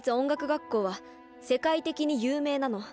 学校は世界的に有名なの。